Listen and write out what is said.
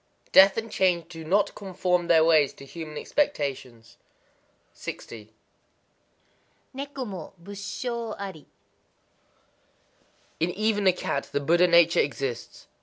Death and Change do not conform their ways to human expectation. 60.—Neko mo Busshō ari. In even a cat the Buddha nature exists.